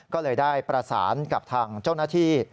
ก็เลยได้ประสานกับทางเจ้าหน้าที่